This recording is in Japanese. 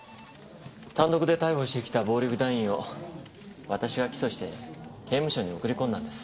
単独で逮捕してきた暴力団員を私が起訴して刑務所に送り込んだんです。